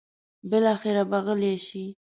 بالاخره به غلې شي.